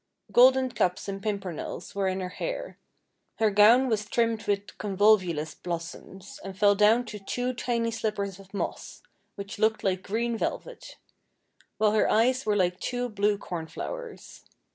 Golden cups and pimpernels were in her hair ; her gown was trimmed with convolvulus blossoms, and fell down to two tiny slippers of moss, which looked like green velvet; while her eyes were like two blue cornflowers.